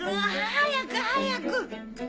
早く早く！